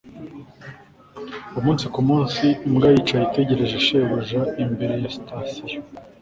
Umunsi ku munsi imbwa yicaye itegereje shebuja imbere ya sitasiyo